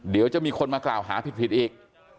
เดี๋ยวจะมีคนมากล่าวหาผิดอีก